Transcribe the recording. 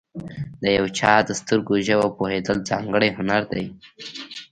د یو چا د سترګو ژبه پوهېدل، ځانګړی هنر دی.